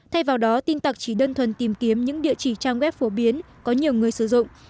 thay vào đó tin tặc chỉ đơn thuần tìm kiếm những địa chỉ trang web phổ biến có nhiều người sử dụng